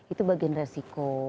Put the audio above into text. itu bagian resiko